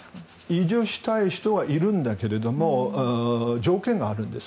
移住したい人はいるんだけども条件があるんです。